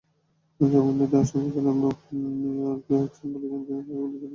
জবানবন্দিতে আসামি মোতালেব মিয়া ওরফে ওয়াসিম বলেছেন, তিনি ফাঁকা গুলি ছুড়েছেন।